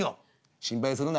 「心配するな。